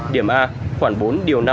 điểm a khoảng bốn điều năm